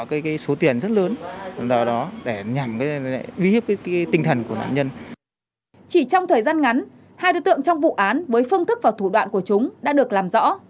chỉ trong thời gian ngắn hai đối tượng trong vụ án với phương thức và thủ đoạn của chúng đã được làm rõ